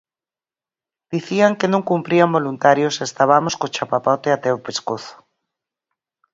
Dicían que non cumprían voluntarios e estabamos co chapapote até o pescozo.